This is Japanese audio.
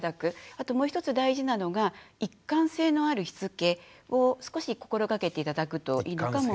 あともう一つ大事なのが一貫性のあるしつけを少し心がけて頂くといいのかも。